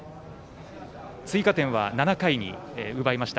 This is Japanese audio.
追加点は７回に奪いました。